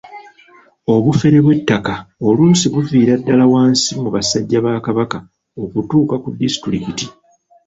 Obufere bw'ettaka oluusi buviira ddala wansi mu basajja ba Kabaka okutuuka ku disitulikiti.